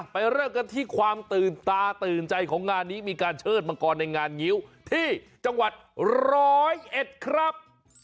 เริ่มกันที่ความตื่นตาตื่นใจของงานนี้มีการเชิดมังกรในงานงิ้วที่จังหวัดร้อยเอ็ดครับ